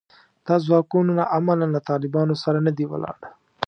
دا ځواکونه عملاً له طالبانو سره نه دي ولاړ